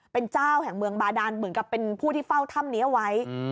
เป็นเจ้าแห่งเมืองบาดานเหมือนกับเป็นผู้ที่เฝ้าถ้ำนี้เอาไว้